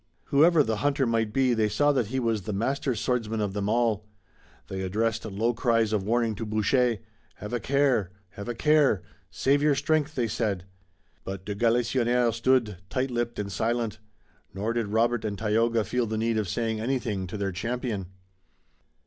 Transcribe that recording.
Whoever the hunter might be they saw that he was the master swordsman of them all. They addressed low cries of warning to Boucher: "Have a care!" "Have a care!" "Save your strength!" they said. But de Galisonnière stood, tight lipped and silent. Nor did Robert and Tayoga feel the need of saying anything to their champion.